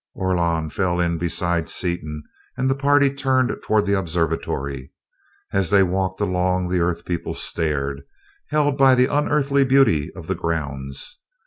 Orlon fell in beside Seaton and the party turned toward the observatory. As they walked along the Earth people stared, held by the unearthly beauty of the grounds.